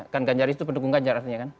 kan ganjaris itu pendukung ganjar artinya kan